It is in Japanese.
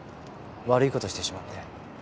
悪いことしてしまって。